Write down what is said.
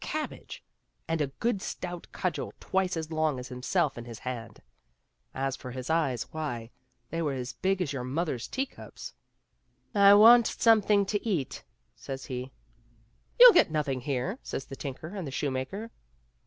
cabbage, and a good stout cudgel twice as long as himself in his hand ; as for his eyes, why, they were as big as your mother's teacups. " I want something to eat," says he, " You'll get nothing here," says the tinker and the shoemaker.